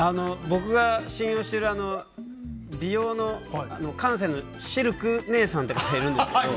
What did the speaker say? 僕が信用している美容の、関西のシルク姉さんって方がいるんですけど